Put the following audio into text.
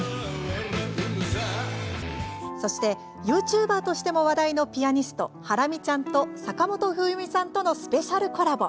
そして、ユーチューバーとしても話題のピアニストハラミちゃんと坂本冬美さんとのスペシャルコラボ。